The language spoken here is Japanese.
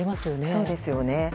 そうですよね。